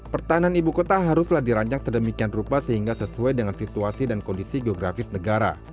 pertahanan ibu kota haruslah dirancang sedemikian rupa sehingga sesuai dengan situasi dan kondisi geografis negara